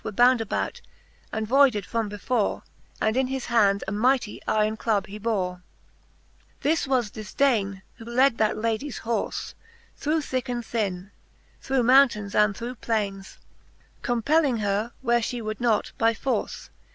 Were bound about, and voyded from before, And in his hand a mighty yron club he bore. XLIV. This was Difdaine^ who led that Ladies horfe Through thick and thin, through mountains and thro' plaines. Compelling her, where fhe would not by force.